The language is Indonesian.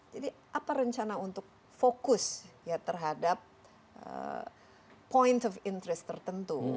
jadi apa rencana untuk fokus ya terhadap point of interest tertentu